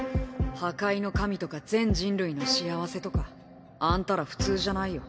破壊の神とか全人類の幸せとかあんたら普通じゃないよ。